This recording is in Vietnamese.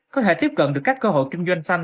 có thể tiếp cận được các cơ hội kinh doanh xanh